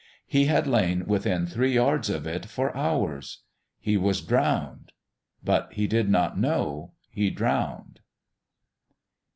He had lain within three yards of it for hours. He was drowned ... but he did not know he drowned....